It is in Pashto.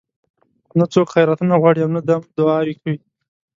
نه څوک خیراتونه غواړي او نه دم دعاوې کوي.